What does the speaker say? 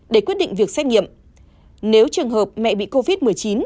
để quyết định việc xét nghiệm nếu trường hợp mẹ bị covid một mươi chín